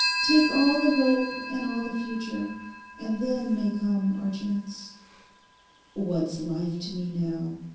Take all the hope and all the future: and then may come our chance.' 'What's life to me now.